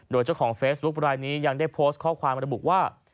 โดยเจ้าของเฟซบุ๊ครายนี้ยังได้โพสต์ข้อความระบุว่า